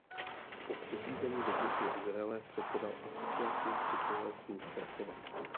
Po přesídlení do dnešního Izraele předsedal "Asociaci přistěhovalců z Krakova".